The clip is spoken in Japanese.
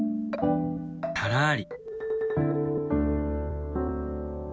たらり。